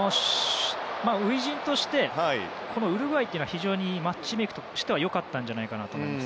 初陣としてウルグアイというのは非常にマッチメイクとしては良かったと思います。